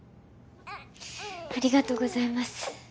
ありがとうございます